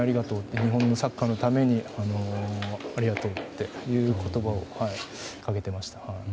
日本のサッカーのためにありがとうっていう言葉をかけていました。